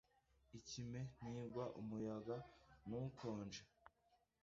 Ikime ntigwa umuyaga ntukonje